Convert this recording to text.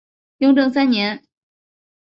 雍正三年。